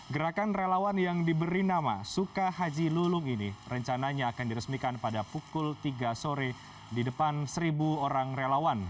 gerakan relawan yang diberi nama suka haji lulung ini rencananya akan diresmikan pada pukul tiga sore di depan seribu orang relawan